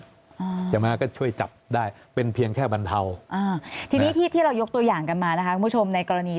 อ่าจำนักก็ช่วยจับได้เป็นเพียงแค่บรรเทาอ่าที่ดิที่เรายกตัวอย่างกันมานะครับผู้ชมในกรณี